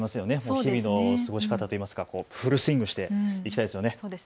日々の過ごし方というかフルスイングしていきたいですね。